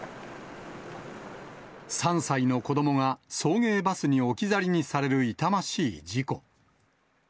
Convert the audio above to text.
３歳の子どもが送迎バスに置き去りにされる痛ましい事故。